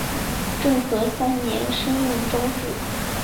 政和三年升润州置。